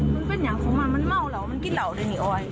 มันเป็นอย่างของมันมันเมาเหล่ามันกินเหล่าเลยนี่ออย